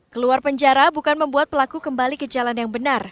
keluar penjara bukan membuat pelaku kembali ke jalan yang benar